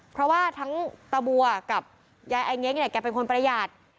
เพราะว่าทั้งตาบัวกับยายไอเง้งเนี่ยแกเป็นคนประหยัด